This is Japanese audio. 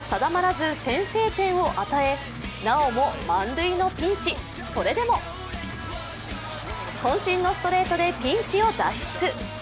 しかし、コントロールが定まらず先制点を与え、なおも満塁のピンチそれでもこん身のストレートでピンチを脱出。